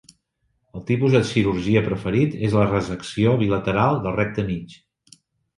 El tipus de cirurgia preferit és la resecció bilateral del recte mig.